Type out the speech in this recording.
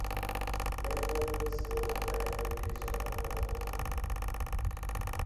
ނޭކުރެންދޫ ސްކޫލަށް ޕްރައިމަރީ ޓީޗަރަކު ހޯދުން